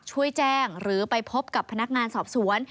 ช่วยแจ้งหรือไปพบกับพนักงานสอบสวน